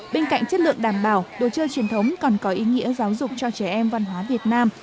bên cạnh chất lượng đảm bảo đồ chơi truyền thống còn có ý nghĩa giáo dục cho trẻ em văn hóa việt nam